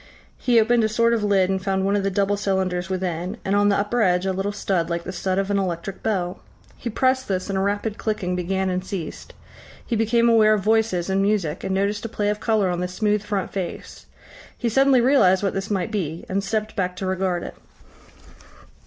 He opened a sort of lid and found one of the double cylinders within, and on the upper edge a little stud like the stud of an electric bell. He pressed this and a rapid clicking began and ceased. He became aware of voices and music, and noticed a play of colour on the smooth front face. He suddenly realised what this might be, and stepped back to regard it.